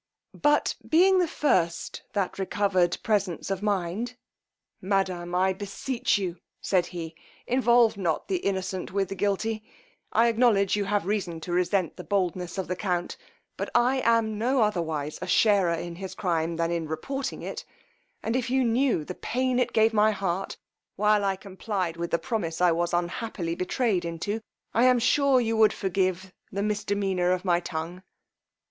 But being the first that recovered presence of mind; madame, I beseech you, said he, involve not the innocent with the guilty: I acknowledge you have reason to resent the boldness of the count; but I am no otherwise a sharer in his crime than in reporting it; and if you knew the pain it gave my heart while I complied with the promise I was unhappily betrayed into, I am sure you would forgive the misdemeanor of my tongue.